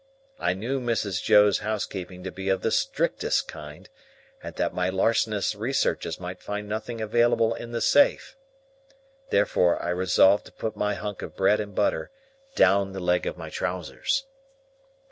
I knew Mrs. Joe's housekeeping to be of the strictest kind, and that my larcenous researches might find nothing available in the safe. Therefore I resolved to put my hunk of bread and butter down the leg of my trousers.